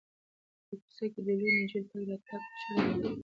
په کوڅه کې د لویې نجلۍ تګ راتګ شرم بلل کېږي.